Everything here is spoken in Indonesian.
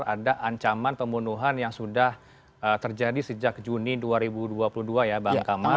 ada ancaman pembunuhan yang sudah terjadi sejak juni dua ribu dua puluh dua ya bang kamar